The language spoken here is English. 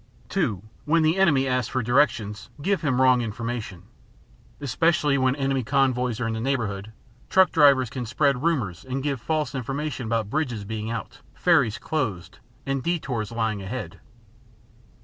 (2) When the enemy asks for directions, give him wrong information. Especially when enemy convoys are in the neighborhood, truck drivers can spread rumors and give false information about bridges being out, ferries closed, and detours lying ahead.